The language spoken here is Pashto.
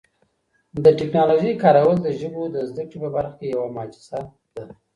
د ټکنالوژۍ کارول د ژبو د زده کړې په برخه کي یو معجزه ده.